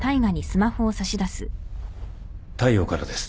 大陽からです。